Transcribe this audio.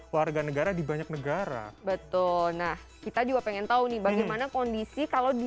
warga negara di banyak negara betul nah kita juga pengen tahu nih bagaimana kondisi kalau di